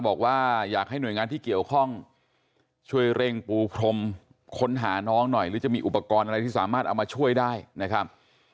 บอกว่าอยากให้หน่วยงานที่เกี่ยวข้องช่วยเร่งปูพรมค้นหาน้องหน่อยหรือจะมีอุปกรณ์อะไรที่สามารถเอามาช่วยได้นะครับ